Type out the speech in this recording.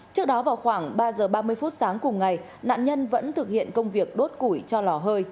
trước đó vào khoảng ba giờ ba mươi phút sáng cùng ngày nạn nhân vẫn thực hiện công việc đốt củi cho lò hơi